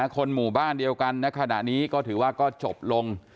คนหมู่บ้านเดียวกันในขณะนี้ก็ถือว่าก็จบลง